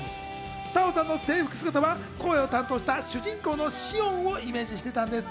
太鳳さんの制服姿は声を担当した主人公のシオンをイメージしていたんです。